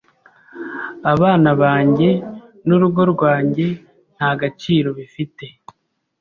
abana banjye n’urugo rwanjye nta gaciro bifite.